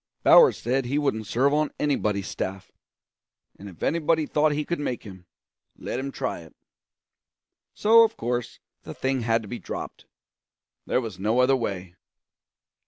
Bowers said he wouldn't serve on anybody's staff; and if anybody thought he could make him, let him try it. So, of course, the thing had to be dropped; there was no other way.